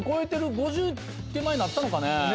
５０手前になったのかね。